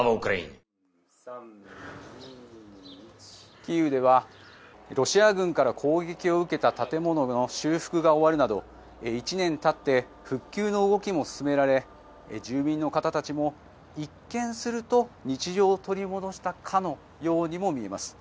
キーウではロシア軍から攻撃を受けた建物の修復が終わるなど１年たって復旧の動きも進められ住民の方たちも、一見すると日常を取り戻したかのようにも見えます。